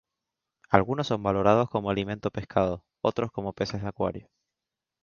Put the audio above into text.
Algunos son valorados como alimento pescado, otros como peces de acuario.